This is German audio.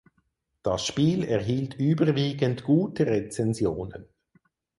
Das Spiel erhielt überwiegend gute Rezensionen.